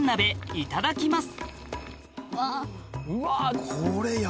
いただきます。